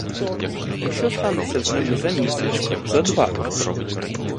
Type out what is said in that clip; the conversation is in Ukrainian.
І що станеться з ними за місяць, за два?